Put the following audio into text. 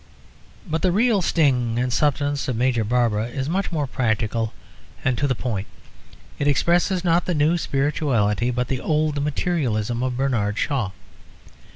But the real sting and substance of Major Barbara is much more practical and to the point. It expresses not the new spirituality but the old materialism of Bernard Shaw.